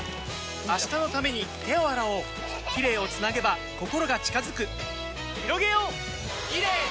明日のために手を洗おうキレイをつなげば心が近づくひろげようキレイの輪！